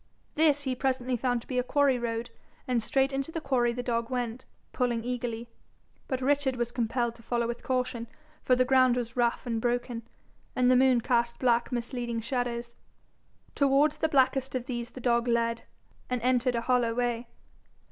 This he presently found to be a quarry road, and straight into the quarry the dog went, pulling eagerly; but Richard was compelled to follow with caution, for the ground was rough and broken, and the moon cast black misleading shadows. Towards the blackest of these the dog led, and entered a hollow way.